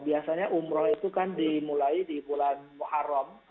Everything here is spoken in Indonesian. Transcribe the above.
biasanya umroh itu kan dimulai di bulan muharram